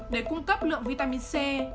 để cung cấp lượng vitamin c